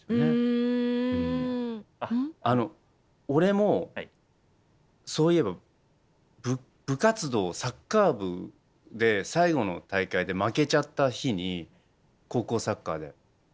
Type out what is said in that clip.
あの俺もそういえば部活動サッカー部で最後の大会で負けちゃった日に高校サッカーで。